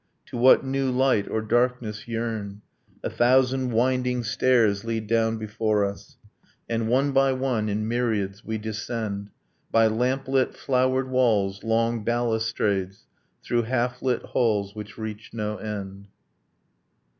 To what new light or darkness yearn? A thousand winding stairs lead down before us; And one by one in myriads we descend By lamplit flowered walls, long balustrades, Through half lit halls which reach no end.